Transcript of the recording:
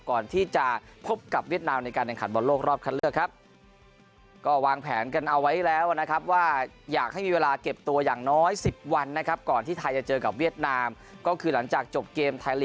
ก่อนที่จะพบกับเวียดนาม